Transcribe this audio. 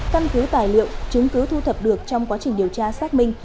căn cứ tài liệu chứng cứ thu thập được trong quá trình điều tra xác minh